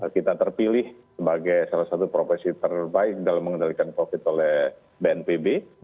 kita terpilih sebagai salah satu profesi terbaik dalam mengendalikan covid oleh bnpb